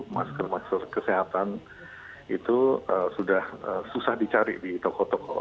masker masker kesehatan itu sudah susah dicari di toko toko